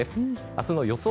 明日の予想